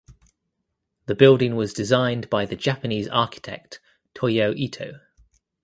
The building was designed by the Japanese architect Toyo Ito.